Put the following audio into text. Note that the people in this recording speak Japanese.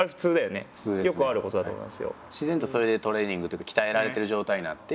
自然とそれでトレーニングというか鍛えられてる状態になって。